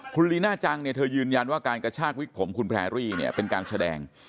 คุณลีน่าจังเนี่ยเธอยืนยันว่าการกระชากวิกผมคุณแพรรี่เนี่ยเป็นการแสดง